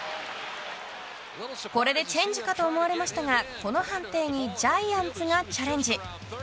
これでチェンジかと思われましたがこの判定にジャイアンツがチャレンジ。